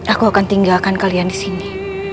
aku akan tinggalkan kalian disini